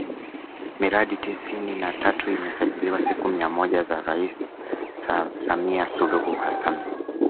Miradi tisini na tatu imesajiliwa siku mia moja za Rais Samilia Suluhu Hassan